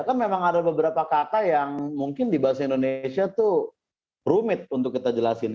kan memang ada beberapa kata yang mungkin di bahasa indonesia tuh rumit untuk kita jelasin